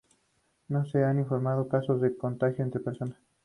No se han informado casos de contagio entre personas.